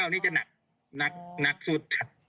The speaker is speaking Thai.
๑๘๙นี่จะหนักสุด